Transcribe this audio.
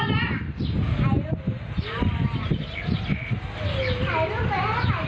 หลังเฐยต้องพักทั้งหมดนะครับ